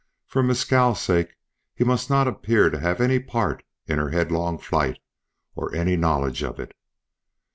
For Mescal's sake he must not appear to have had any part in her headlong flight, or any knowledge of it.